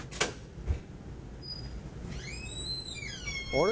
「あれ？